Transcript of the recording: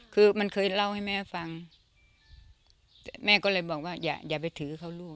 คือมันเคยเล่าให้แม่ฟังแม่ก็เลยบอกว่าอย่าอย่าไปถือเขาลูก